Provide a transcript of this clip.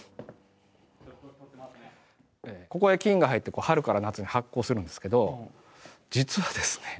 ここへ菌が入って春から夏に発酵するんですけど実はですね